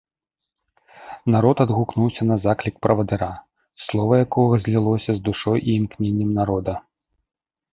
Народ адгукнуўся на заклік правадыра, слова якога злілося з душой і імкненнем народа.